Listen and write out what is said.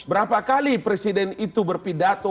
berapa kali presiden itu berpidato